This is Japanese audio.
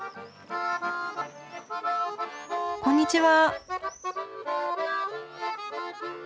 こんにちは。